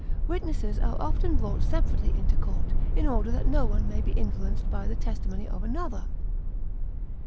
Witnesses are often brought separately into court, in order that no one may be influenced by the testimony of another.